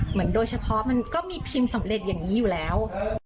โดยเฉพาะมันก็มีพิมพ์สำเร็จอย่างนี้อยู่แล้ว